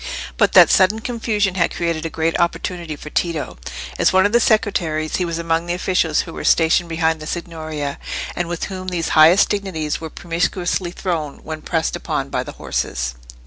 But that sudden confusion had created a great opportunity for Tito. As one of the secretaries he was among the officials who were stationed behind the Signoria, and with whom these highest dignities were promiscuously thrown when pressed upon by the horses.